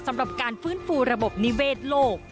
สำหรับการฟื้นฟูระบบนิเวศโลก